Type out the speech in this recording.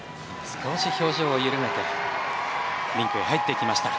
少し表情を緩めてリンクに入っていきました。